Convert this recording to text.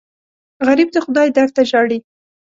غریب د خدای در ته ژاړي